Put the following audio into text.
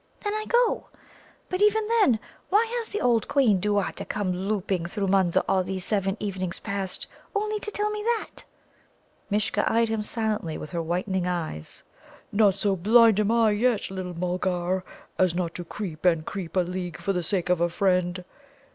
Then I go. But even then, why has the old Queen duatta come louping through Munza all these seven evenings past, only to tell me that?" Mishcha eyed him silently with her whitening eyes. "Not so blind am I yet, little Mulgar, as not to creep and creep a league for the sake of a friend.